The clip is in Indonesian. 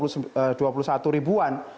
dua puluh satu ribuan